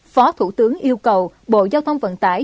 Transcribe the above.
phó thủ tướng yêu cầu bộ giao thông vận tải